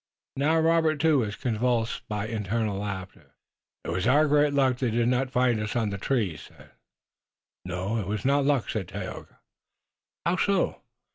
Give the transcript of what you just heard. Now Robert, too, was convulsed by internal laughter. "It was our great luck that they did not find us on the tree," he said. "No, it was not luck," said Tayoga. "How so?"